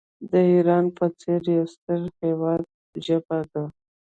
د ایران په څېر یو ستر هیواد ژبه ده.